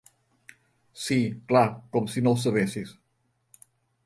Sí, clar, com si no ho sabessis!